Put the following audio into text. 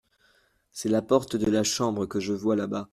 C’est la porte de la chambre que je vois là-bas.